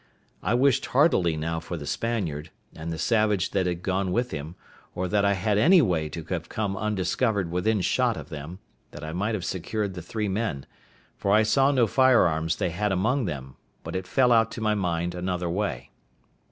I wished heartily now for the Spaniard, and the savage that had gone with him, or that I had any way to have come undiscovered within shot of them, that I might have secured the three men, for I saw no firearms they had among them; but it fell out to my mind another way.